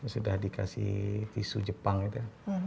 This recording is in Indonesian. sudah dikasih visu jepang itu